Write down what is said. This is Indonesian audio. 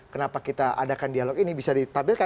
kenapa kita adakan dialog ini bisa ditampilkan